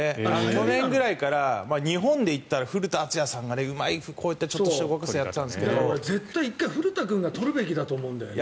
去年ぐらいから日本で言ったら古田敦也さんがうまい、ちょっとした動きをやってたんですけど絶対に１回、古田君がとるべきだと思うんだよね。